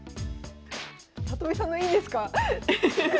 里見さんの「いいんですか？」。